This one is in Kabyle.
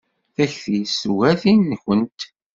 Takti-s tugar tin-nkent.